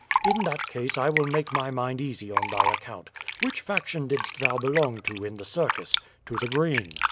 "In that case I will make my mind easy on thy account. Which faction didst thou belong to in the circus?" 'To the Green."